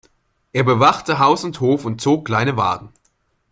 Er bewachte Haus und Hof und zog kleine Wagen.